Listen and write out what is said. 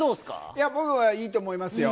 いや、僕はいいと思いますよ。